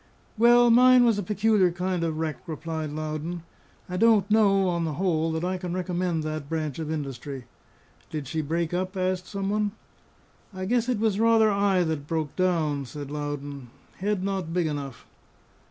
"Well, mine was a peculiar kind of wreck," replied Loudon. "I don't know, on the whole, that I can recommend that branch of industry." "Did she break up?" asked some one. "I guess it was rather I that broke down," says Loudon. "Head not big enough."